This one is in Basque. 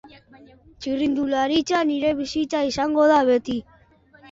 Txirrindularitza nire bizitza izango da beti.